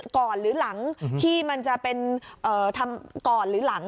หรือหลังที่มันจะเป็นทำก่อนหรือหลัง